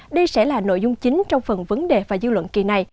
đây sẽ là nội dung chính trong phần vấn đề và dư luận kỳ này